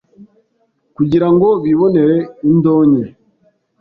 kugira ngo bibonere indonke